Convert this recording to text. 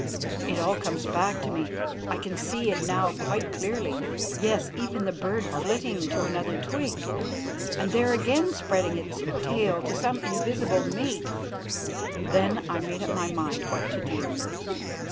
It all comes back to me I can see it now quite clearly; yes, even the bird flitting to another twig, and there again spreading its tail to some invisible mate. Then I made up my mind what to do.